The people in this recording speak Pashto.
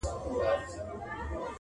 انصاف نه دی ترافیک دي هم امام وي,